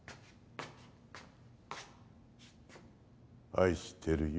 愛してるよ。